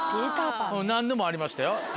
何でもありましたよ